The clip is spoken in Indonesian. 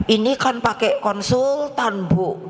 ini kan pakai konsultan bu